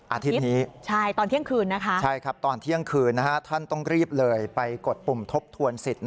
อาทิตย์นี้ตอนเที่ยงคืนท่านต้องรีบเลยไปกดปุ่มทบทวนสิทธิ์